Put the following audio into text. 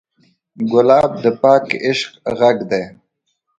ګلاب د پاک عشق غږ دی.